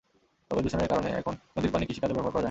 তবে দূষণের কারণে এখন নদীর পানি কৃষিকাজেও ব্যবহার করা যায় না।